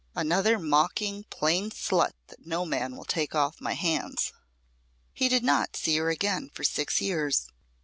Another mawking, plain slut that no man will take off my hands." He did not see her again for six years.